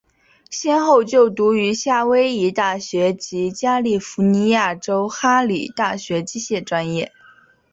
先后就读于夏威夷大学及加利福尼亚州哈里大学机械专业。